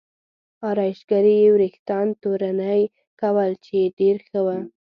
ارایشګرې یې وریښتان تورنۍ کول چې ډېر ښه و.